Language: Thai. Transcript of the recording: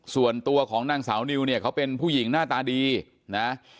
ส่วนตัวของนางสาวนิวเนี่ยเขาเป็นผู้หญิงหน้าตาดีนะ